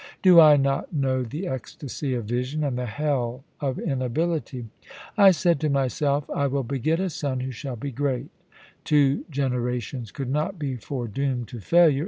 Do I not know the ecstasy of vision, and the hell of inability ? I said to myself, ' I will beget a son who shall be great' Two generations could not be foredoomed to failure.